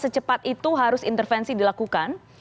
secepat itu harus intervensi dilakukan